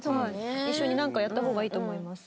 一緒になんかやった方がいいと思います。